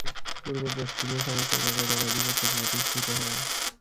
পূর্ব-পশ্চিমের সমস্ত এলাকায় তার আধিপত্য প্রতিষ্ঠিত হয়।